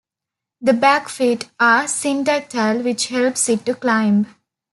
The back feet are syndactyl which helps it to climb.